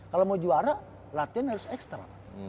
kalau mau juara latihan harus ekstra